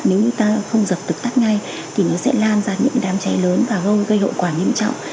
nếu như ta không dập được tắt ngay thì nó sẽ lan ra những đám cháy lớn và gây hậu quả nghiêm trọng